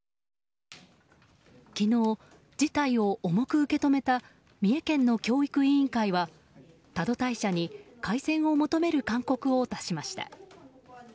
昨日、事態を重く受け止めた三重県の教育委員会は多度大社に改善を求める勧告を出しました。